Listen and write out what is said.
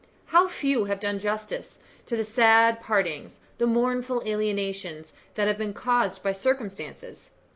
How few have done justice to the sad partings, the mournful alienations that have been caused by circumstances!